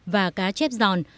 và cá chép giòn